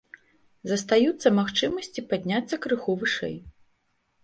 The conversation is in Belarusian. Застаюцца магчымасці падняцца крыху вышэй.